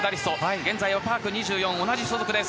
現在はパーク２４同じ所属です。